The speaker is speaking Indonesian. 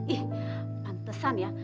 ih pantesan ya